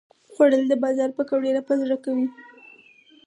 خوړل د بازار پکوړې راپه زړه کوي